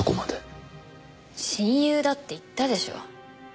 親友だって言ったでしょ。